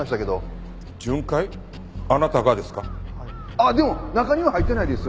あっでも中には入ってないですよ。